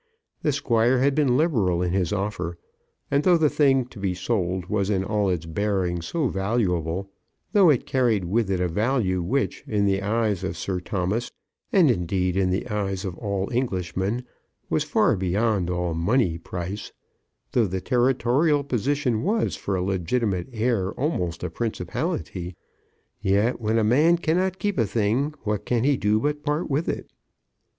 The Squire had been liberal in his offer; and though the thing to be sold was in all its bearings so valuable, though it carried with it a value which, in the eyes of Sir Thomas, and, indeed, in the eyes of all Englishmen, was far beyond all money price, though the territorial position was, for a legitimate heir, almost a principality; yet, when a man cannot keep a thing, what can he do but part with it?